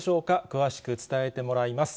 詳しく伝えてもらいます。